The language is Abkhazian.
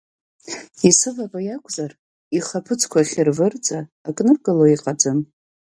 Исыватәоу иакәзар, ихаԥыцқәа хьырвырӡа, акы ныркыло иҟаӡам.